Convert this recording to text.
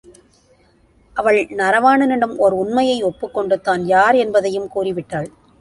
அவள் நரவாணனிடம் ஓர் உண்மையை ஒப்புக்கொண்டு தான் யார் என்பதையும் கூறிவிட்டாள்.